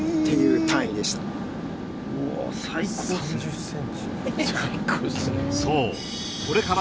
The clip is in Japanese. うわ最高っすね